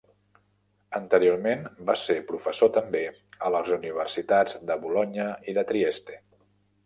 Anteriorment, va ser professor també a les universitats de Bolonya i de Trieste.